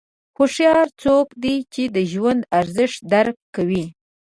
هوښیار څوک دی چې د ژوند ارزښت درک کوي.